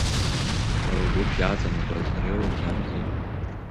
Уара угәыԥ иаҵанакуаз дреиуӡамзи?